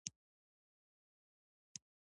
چې د بل په پیغام سم پوه شئ دا چاره څرنګه امکان لري؟